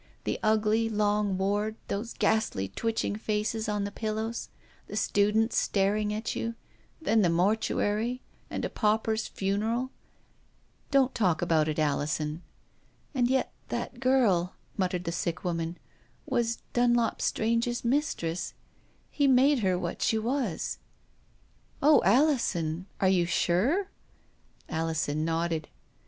The ugly, long ward, those ghastly, twitching faces on the pillows, the students staring at you ; then the mortuary and a pauper's funeral." " Don't talk so, Alison." "And yet that girl," muttered the sick woman, " was Dunlop Strange's mistress. He made her what she was." " O Alison, are you &wre ?" Alison nodded.